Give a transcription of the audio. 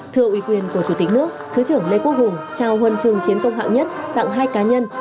thưa uy quyền của chủ tịch nước thứ trưởng lê quốc hùng trao huân trường chiến công hạng nhất tặng hai cá nhân